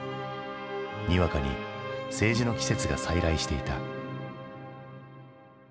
にわかに政治の季節が再来していた。